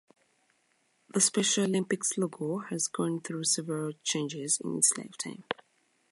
The Special Olympics logo has gone through several changes in its lifetime.